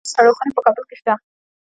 د میوو سړې خونې په کابل کې شته.